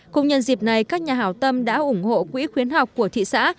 cùng nhân dịp này các nhà hảo tâm đã ủng hộ quỹ khuyến học của thị xã